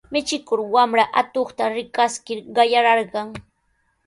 Michikuq wamra atuqta rikaskir qayararqan.